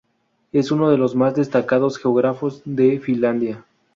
Es uno de los más destacados geógrafos de Finlandia.